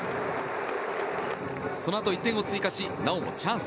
そのあと、１点を追加しなおもチャンス。